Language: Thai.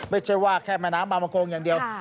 ไม่ใช่ว่าแค่แม่น้ำบางมะโกงอย่างเดียว